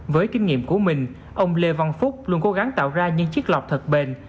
với kinh nghiệm của mình ông lê văn phúc luôn cố gắng tạo ra những chiếc lọc thật bền